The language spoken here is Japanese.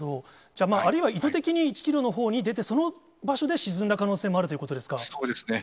じゃあ、あるいは意図的に、１キロのほうに出て、その場所で沈んだ可能性そうですね。